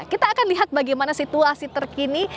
kita akan lihat bagaimana situasi terkini